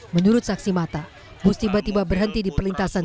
menurut saksi mata bus tiba tiba berhenti di perlintasan